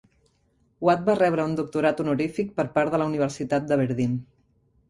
Watt va rebre un doctorat honorífic per part de la Universitat Aberdeen.